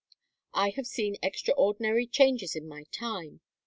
"I have seen extraordinary changes in my time.